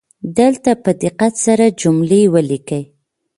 دلته په دقت سره جملې ولیکئ.